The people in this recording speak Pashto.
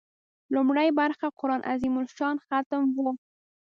لومړۍ برخه قران عظیم الشان ختم و.